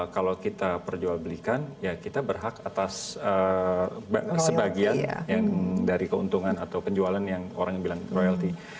kalau kita perjualbelikan ya kita berhak atas sebagian dari keuntungan atau penjualan yang orang yang bilang royalty